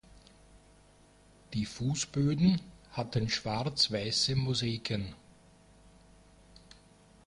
Die Fußböden hatten schwarz-weiße Mosaiken.